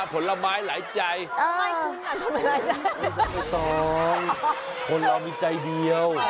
ไม่คุ้นอ่ะทำไมหลายใจไม่ต้องคนเรามีใจเดียว